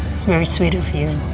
itu sangat manis dari kamu